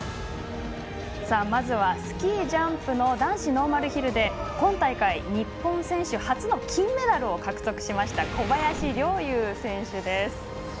まずはスキージャンプの男子ノーマルヒルで今大会、日本選手初の金メダルを獲得しました小林陵侑選手です。